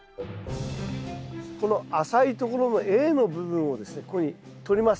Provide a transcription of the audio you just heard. この浅いところのＡの部分をですねこういうふうに取ります。